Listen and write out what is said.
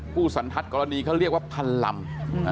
สันทัศน์กรณีเขาเรียกว่าพันลำ